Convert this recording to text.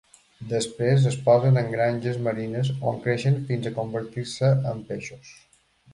Després es posen en granges marines, on creixen fins a convertir-se en peixos.